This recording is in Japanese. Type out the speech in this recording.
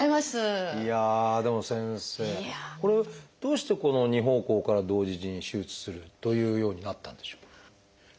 いやあでも先生どうしてこの二方向から同時に手術するというようになったんでしょう？